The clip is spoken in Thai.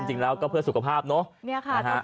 จริงแล้วก็เพื่อสุขภาพเนาะ